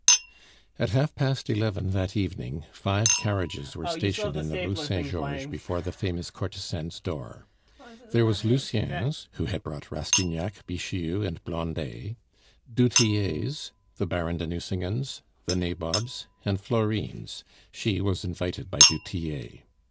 At half past eleven that evening, five carriages were stationed in the Rue Saint Georges before the famous courtesan's door. There was Lucien's, who had brought Rastignac, Bixiou, and Blondet; du Tillet's, the Baron de Nucingen's, the Nabob's, and Florine's she was invited by du Tillet.